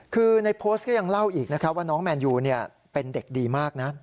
คือในโพสต์ก็ยังเล่าอีกนะครับว่าน้องแมนยูเป็นเด็กดีมากนะ